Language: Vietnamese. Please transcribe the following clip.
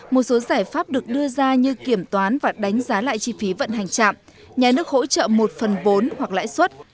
một số giải pháp được đưa ra như kiểm toán và đánh giá lại chi phí vận hành chạm nhà nước hỗ trợ một phần bốn hoặc lãi suất